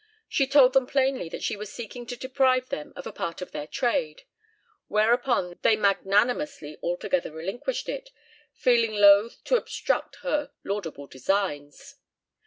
She told them plainly that she was seeking to deprive them of a part of their trade, whereupon they magnanimously altogether relinquished it, feeling loth "to obstruct her laudable designs."